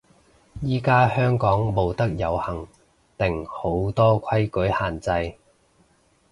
依家香港冇得遊行定好多規矩限制？